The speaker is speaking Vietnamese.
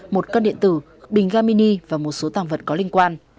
một cân điện tử bình ga mini và một số tàng vật có liên quan